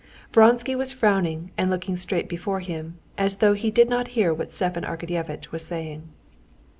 Vronsky was frowning and looking straight before him, as though he did not hear what Stepan Arkadyevitch was saying.